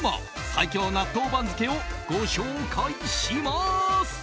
最強納豆番付をご紹介します。